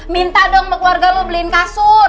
minta dong buat keluarga lu beliin kasur